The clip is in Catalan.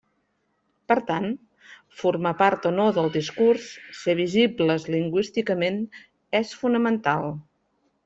Per tant, formar part o no del discurs, ser visibles lingüísticament és fonamental.